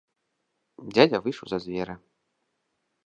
Дзядзя выйшаў за дзверы.